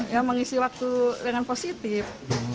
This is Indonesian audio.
ya mengisi waktu dengan positif